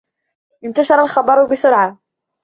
انتشر الخبر بسرعة.